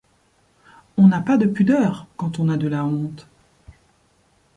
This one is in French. On n'a pas de pudeur quand on a de la honte ;